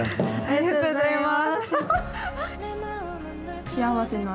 ありがとうございます。